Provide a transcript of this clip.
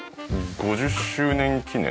５０周年記念の。